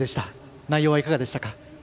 内容は、いかがでしたか？